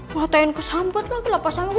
mata in kesanget lagi lah pasanganku